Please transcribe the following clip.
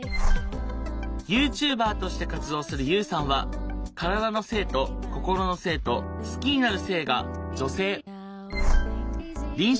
ＹｏｕＴｕｂｅｒとして活動するＵさんは体の性と心の性と好きになる性が女性。